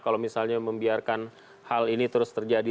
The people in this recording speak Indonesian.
kalau misalnya membiarkan hal ini terus terjadi